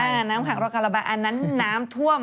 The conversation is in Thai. อันนั้นน้ำขังรอระบายอันนั้นน้ำท่วม